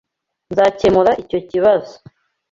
Nzakemura icyo kibazo.